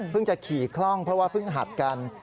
จะขี่คล่องเพราะว่าเพิ่งหัดกัน